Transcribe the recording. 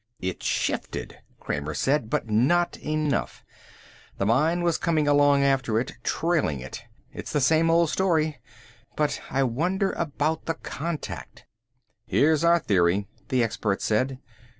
"It shifted," Kramer said. "But not enough. The mine was coming along after it, trailing it. It's the same old story, but I wonder about the contact." "Here's our theory," the expert said.